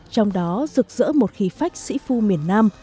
trong đó rực rỡ một khí phách sĩ phu miền nam